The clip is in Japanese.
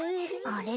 あれ？